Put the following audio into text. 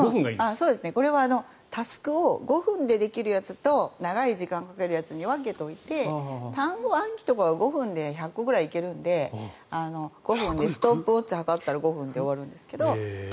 これはタスクを５分でできるやつと長い時間かけるやつに分けておいて単語暗記とかは５分で１００個くらい行けるのでストップウォッチで計ったら５分で終わるんですけど。